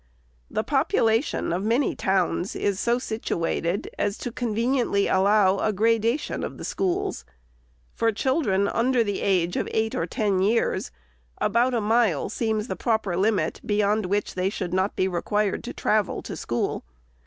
The population of many towns is so situated as conveniently to allow a gra dation of the schools. For children under the age of eight or ten years, about a mile seems a proper limit, be yond which they should not be required to travel to school.